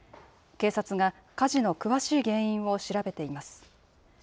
警察が火事の詳しい原因を調べています。